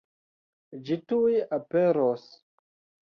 Ĝi tuj aperos.